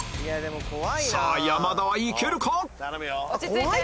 さぁ山田はいけるか？